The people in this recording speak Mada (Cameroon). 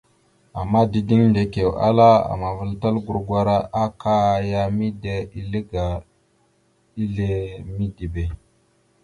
Ama dideŋ Ndekio ala amavəlal gurgwara aka ya midera ile aga izle midibe.